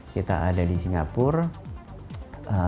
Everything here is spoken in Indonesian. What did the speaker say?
kita ada di singapura